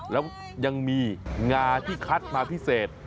แล้วยังมีงาที่คัดมาพิเศษ